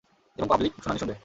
এবং পাবলিক শুনানি শুনবে।